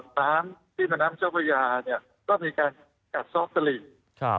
ท้ามที่มนัมเจ้าพยาเนี่ยก็มีการกัดซ้อสตริก